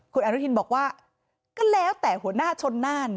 คุณอนุทินบอกว่าก็แล้วแต่หัวหน้าชนน่าน